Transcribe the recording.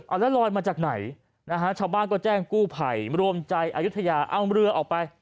เอาแล้วลอยมาจากไหนนะฮะชาวบ้านก็แจ้งกู้ภัยรวมใจอายุทยาเอาเรือออกไป